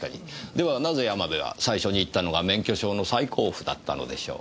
ではなぜ山部は最初に行ったのが免許証の再交付だったのでしょう。